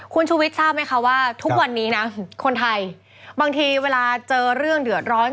คุณชูวิทย์ทราบไหมคะว่าทุกวันนี้นะคนไทยบางทีเวลาเจอเรื่องเดือดร้อน